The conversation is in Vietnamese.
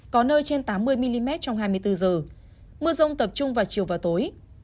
có nơi trên tám mươi mm trong hai mươi bốn h mưa rông tập trung vào chiều và tối